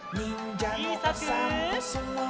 ちいさく。